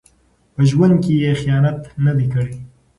په ژوند کې یې خیانت نه دی کړی.